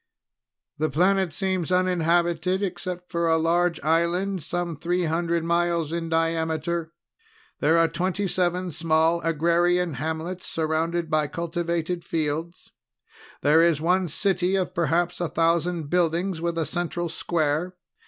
"The planet seems uninhabited except for a large island some three hundred miles in diameter. There are twenty seven small agrarian hamlets surrounded by cultivated fields. There is one city of perhaps a thousand buildings with a central square.